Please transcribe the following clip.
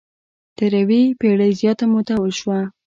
تر یوې پېړۍ زیاته موده وشوه.